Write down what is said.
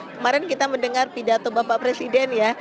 kemarin kita mendengar pidato bapak presiden ya